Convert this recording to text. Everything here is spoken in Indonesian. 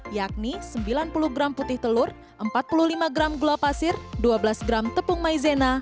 yakni sembilan puluh gram putih telur empat puluh lima gram gula pasir dua belas gram tepung maizena